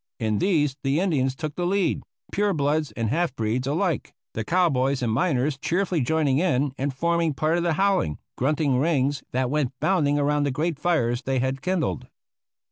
In these the Indians took the lead, pure bloods and half breeds alike, the cowboys and miners cheerfully joining in and forming part of the howling, grunting rings, that went bounding around the great fires they had kindled.